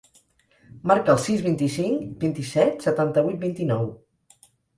Marca el sis, vint-i-cinc, vint-i-set, setanta-vuit, vint-i-nou.